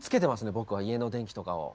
僕は家の電気とかを。